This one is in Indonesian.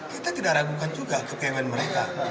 kita tidak ragukan juga kekayaan mereka